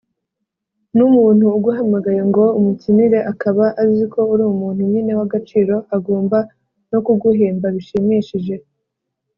n'umuntu uguhamagaye ngo umukinire akaba aziko uri umuntu nyine w'agaciro agomba no kuguhemba bishimishije